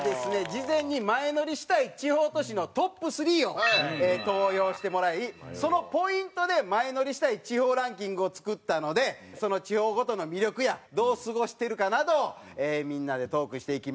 事前に前乗りしたい地方都市のトップ３を投票してもらいそのポイントで前乗りしたい地方ランキングを作ったのでその地方ごとの魅力やどう過ごしてるかなどをみんなでトークしていきましょう。